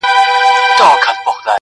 • ای د اسلام لباس کي پټ یهوده,